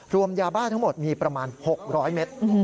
ยาบ้าทั้งหมดมีประมาณ๖๐๐เมตร